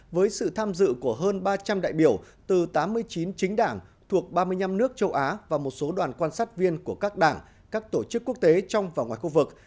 với sự tham dự của hơn ba trăm linh đại biểu từ tám mươi chín chính đảng thuộc ba mươi năm nước châu á và một số đoàn quan sát viên của các đảng các tổ chức quốc tế trong và ngoài khu vực